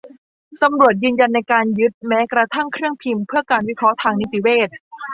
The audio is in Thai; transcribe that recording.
ตำรวจยืนยันในการยึดแม้กระทั่งเครื่องพิมพ์เพื่อการวิเคราะห์ทางนิติเวช